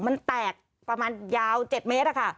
มันแตกประมาณยาว๗เมตร